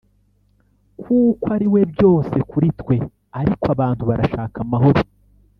kuko ariwe byose kuri twe ariko abantu barashaka amahoro